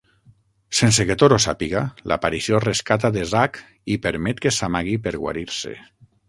Sense que Thor ho sàpiga, l'aparició rescata Desak i permet que s'amagui per guarir-se.